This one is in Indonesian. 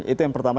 itu yang pertama